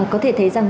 có thể thấy rằng